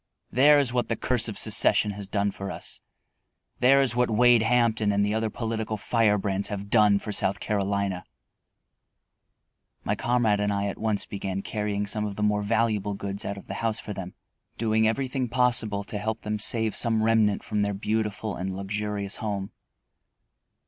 "There is what the curse of secession has done for us; there is what Wade Hampton and the other political firebrands have done for South Carolina." My comrade and I at once began carrying some of the more valuable goods out of the house for them, doing everything possible to help them save some remnant from their beautiful and luxurious home.